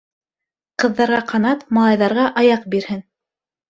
Ҡыҙҙарға ҡанат, малайҙарға аяҡ бирһен.